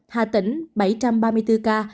hà tĩnh bảy ba mươi bốn ca